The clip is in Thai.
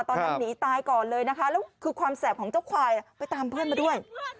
หนีตายก่อนเลยนะคะแล้วคือความแสบของเจ้าควายไปตามเพื่อนมาด้วย